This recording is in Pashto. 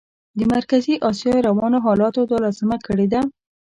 د مرکزي اسیا روانو حالاتو دا لازمه کړې ده.